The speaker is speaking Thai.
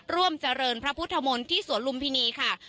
ร่วมเจริญพระพุทธมนตร์ที่สวนลุมพินีค่ะ